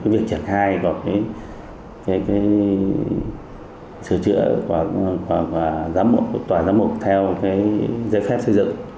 việc triển khai và sửa chữa của tòa giám mục theo giấy phép xây dựng